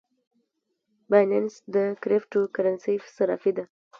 بایننس د کریپټو کرنسۍ صرافي ده